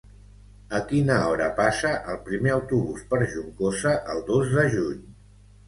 A quina hora passa el primer autobús per Juncosa el dos de juny?